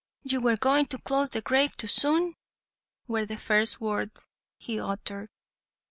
"You were going to close the grave too soon," were the first words he uttered.